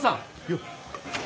よっ！